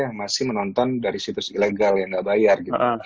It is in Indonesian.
yang masih menonton dari situs ilegal yang nggak bayar gitu